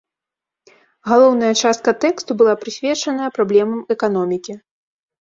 Галоўная частка тэксту была прысвечаная праблемам эканомікі.